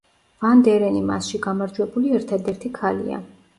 ვან დერენი მასში გამარჯვებული ერთადერთი ქალია.